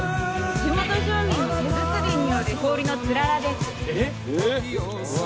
地元住民の手作りによる氷のつららです。